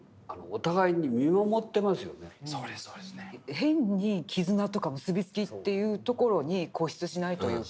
変に絆とか結び付きというところに固執しないというか。